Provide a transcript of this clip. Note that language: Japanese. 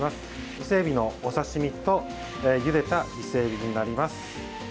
伊勢えびのお刺身とゆでた伊勢えびになります。